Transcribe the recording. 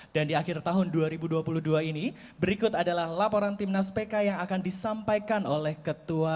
dan di akhir tahun dua ribu dua puluh dua ini berikut adalah laporan tim nas pk yang akan disampaikan oleh ketua